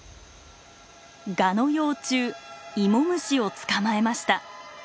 ガの幼虫イモムシを捕まえました。